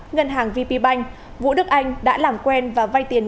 ngân hàng vp banh vũ đức anh đã làm quen và vay tiền